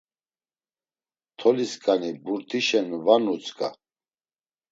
Toliskani burtişen va nutzǩa.